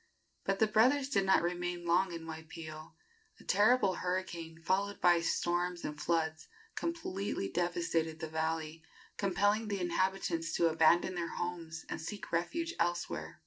But the brothers did not remain long in Waipio. A terrible hurricane, followed by storms and floods, completely devastated the valley, compelling the inhabitants to abandon their homes and seek refuge elsewhere.